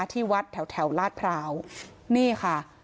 ที่วัดแถวแถวลาดพร้าวนี่ค่ะ